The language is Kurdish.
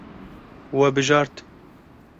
We bijart.